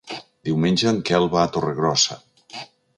Diumenge en Quel va a Torregrossa.